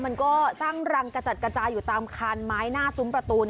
มันก็สร้างรังกระจัดกระจายอยู่ตามคานไม้หน้าซุ้มประตู